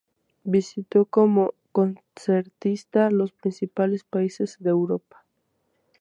Visitó como concertista los principales países de Europa.